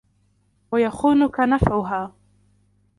وَيَخُونُك نَفْعُهَا